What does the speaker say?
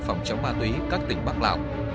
phòng chống ma túy các tỉnh bắc lào